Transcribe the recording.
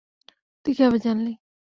তুই কিভাবে জানলি?